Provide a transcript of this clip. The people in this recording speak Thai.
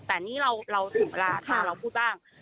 แต่นี่เราถึงเวลาถ้าเราพูดบ้าง